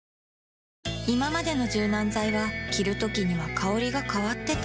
いままでの柔軟剤は着るときには香りが変わってた